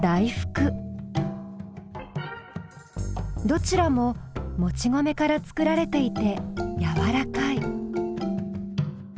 どちらももち米から作られていてやわらかい。